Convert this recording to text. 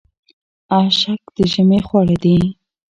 اشک د ژمي خواړه دي.